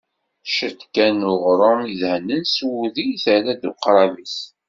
Ciṭ kan n uɣrum idehnen s wudi i terra deg uqrab-is.